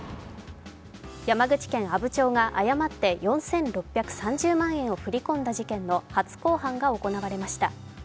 山口県阿武町が誤って４６３０万円を誤って振り込んだ事件の初公判が行われました。